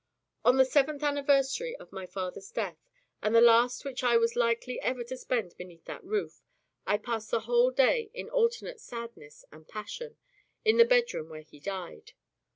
On the seventh anniversary of my father's death, and the last which I was likely ever to spend beneath that roof, I passed the whole day in alternate sadness and passion, in the bedroom where he died.